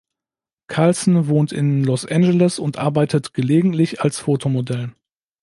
Carlson wohnt in Los Angeles und arbeitet gelegentlich als Fotomodell.